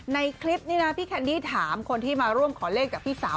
ในคลิปนี้นะพี่แคนดี้ถามคนที่มาร่วมขอเลขกับพี่สาว